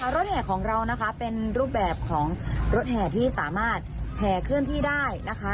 รถแห่ของเรานะคะเป็นรูปแบบของรถแห่ที่สามารถแห่เคลื่อนที่ได้นะคะ